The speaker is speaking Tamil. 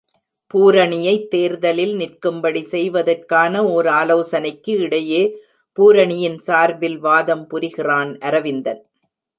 பூரணியைத் தேர்தலில் நிற்கும்படி செய்வதற்கான ஓர் ஆலோசனைக்கு இடையே பூரணியின் சார்பில் வாதம் புரிகிறான் அரவிந்தன்.